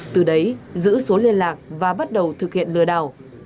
từ đấy giữ số liên lạc và bắt đầu thực hiện lừa đảo